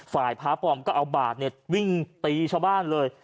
ฝ่ายพ้าปลอมก็เอาบาดวิ่งตีชำบ้านเลย